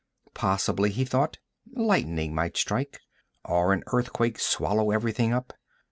Possibly, he thought, lightning might strike, or an earthquake swallow everything up.